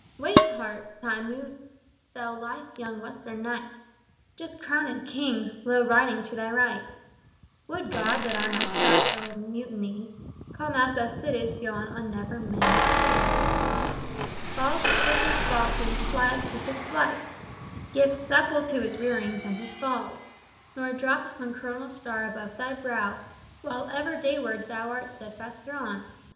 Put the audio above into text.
Wait, Heart! Time moves. Thou lithe young Western Night, Just crownèd king, slow riding to thy right, Would God that I might straddle mutiny Calm as thou sitt'st yon never managed sea, Balk'st with his balking, fliest with his flight, Giv'st supple to his rearings and his falls, Nor dropp'st one coronal star above thy brow Whilst ever dayward thou art steadfast drawn!